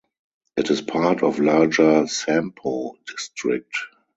It is part of larger Sampo district.